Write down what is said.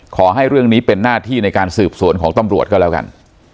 ขอให้เรื่องนี้เป็นหน้าที่ในการสืบสวนของตำรวจก็แล้วกัน